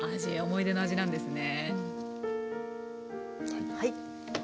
思い出の味なんですね。